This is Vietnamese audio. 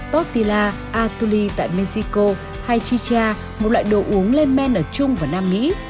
totila atuli tại mexico hay chicha một loại đồ uống lên men ở trung và nam mỹ